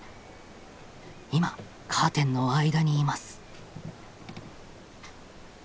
今カーテンの間にいます。